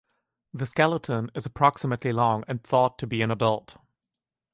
The skeleton is approximately long and thought to be an adult.